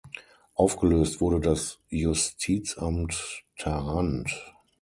Aufgelöst wurde das Justizamt Tharandt.